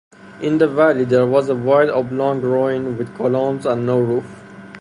In the valley, there was a wide oblong ruin with columns and no roof.